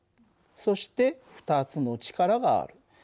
そして２つの力がある。